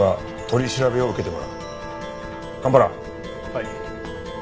はい。